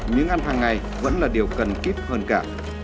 những ăn hàng ngày vẫn là điều cần kiếp hơn cả